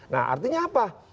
nah artinya apa